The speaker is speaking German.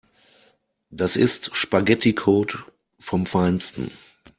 Das ist Spaghetticode vom Feinsten.